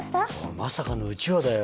まさかのうちわだよ。